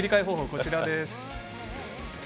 こちらです。